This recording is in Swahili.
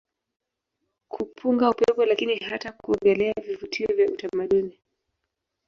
kupunga upepo lakini hata kuogelea Vivutio vya utamaduni